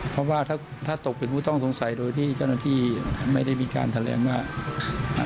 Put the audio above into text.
เพราะว่าถ้าถ้าตกเป็นผู้ต้องสงสัยโดยที่เจ้าหน้าที่ไม่ได้มีการแถลงว่าอ่า